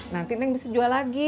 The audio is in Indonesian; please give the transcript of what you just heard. nanti neng bisa jual lagi